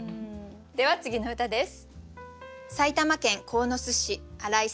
では次の歌です。